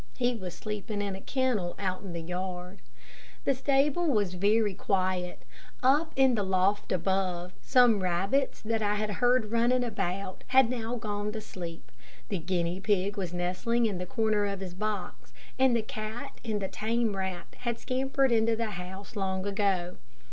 He was sleeping in a kennel, out in the yard. The stable was very quiet. Up in the loft above, some rabbits that I had heard running about had now gone to sleep. The guinea pig was nestling in the corner of his box, and the cat and the tame rat had scampered into the house long ago.